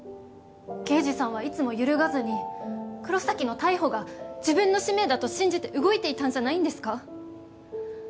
刑事さんはいつも揺るがずに黒崎の逮捕が自分の使命だと信じて動いていたんじゃないんですか？